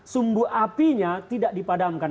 sumbu apinya tidak dipadamkan